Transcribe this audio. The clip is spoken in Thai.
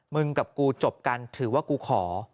กับกูจบกันถือว่ากูขอ